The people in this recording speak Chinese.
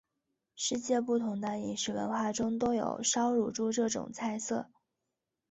世界不同的饮食文化中都有烧乳猪这种菜色。